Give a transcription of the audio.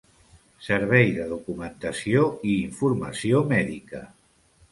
Servei de Documentació i Informació Mèdica.